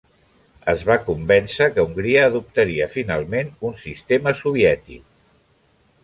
Es va convèncer que Hongria adoptaria finalment un sistema soviètic.